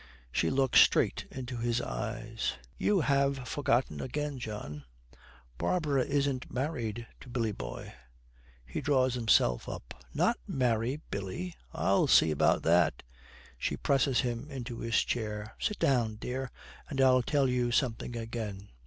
She looks straight into his eyes. 'You have forgotten again, John. Barbara isn't married to Billy boy.' He draws himself up. 'Not marry Billy! I'll see about that.' She presses him into his chair. 'Sit down, dear, and I'll tell you something again.